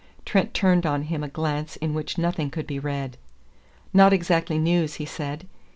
Trent turned on him a glance in which nothing could be read. "Not exactly news," he said.